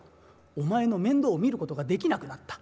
お前の面倒を見ることができなくなった。